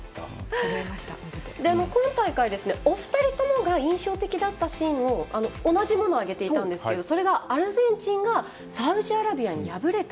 今大会、お二人とも印象的だったシーン同じものを挙げていたんですがそれがアルゼンチンがサウジアラビアに敗れた